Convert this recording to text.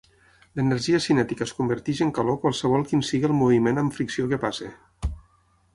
L'energia cinètica es converteix en calor qualsevol quin sigui el moviment amb fricció que passi.